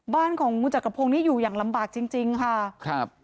บ้านของมูจักรพงษ์อยู่อย่างลำบากจริงค่ะ